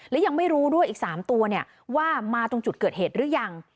และยังไม่รู้ด้วยอีก๓ตัวว่ามาตรงจุดเกิดเหตุหรือยัง